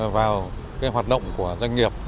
vào hoạt động của doanh nghiệp